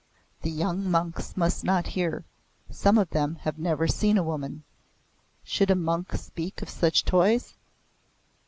The young monks must not hear. Some of them have never seen a woman. Should a monk speak of such toys?